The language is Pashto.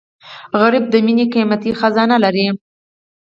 غریب د مینې قیمتي خزانه لري